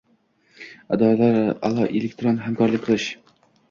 idoralararo elektron hamkorlik qilish